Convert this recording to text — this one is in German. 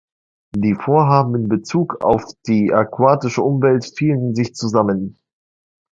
Die Vorhaben in Bezug auf die aquatische Umwelt fielen in sich zusammen.